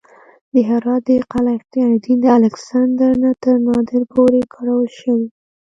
د هرات د قلعه اختیارالدین د الکسندر نه تر نادر پورې کارول شوې